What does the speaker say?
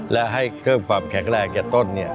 และให้เครื่องความแข็งแรงกับต้นเนี่ย